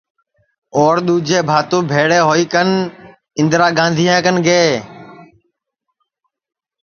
اور دؔوجے بھاتو بھیݪے ہوئی کن اِندرا گاندھیا کن گئے